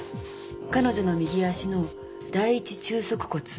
彼女の右足の第一中足骨。